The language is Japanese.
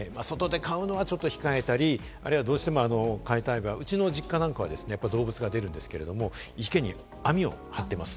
外で飼うのはちょっと控えたり、どうしても飼いたい場合、うちの実家なんかはね、動物が出るんですけれども、池に網を張っています。